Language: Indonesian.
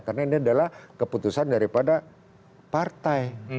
karena ini adalah keputusan dari partai